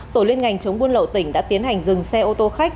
tổ liên ngành chống buôn lậu tỉnh đã tiến hành dừng xe ô tô khách